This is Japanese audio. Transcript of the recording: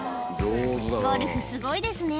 「ゴルフすごいですね」